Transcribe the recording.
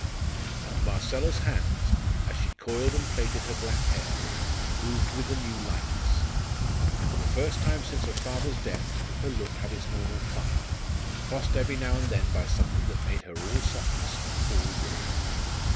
And Marcella's hands, as she coiled and plaited her black hair, moved with a new lightness; for the first time since her father's death her look had its normal fire, crossed every now and then by something that made her all softness and all woman.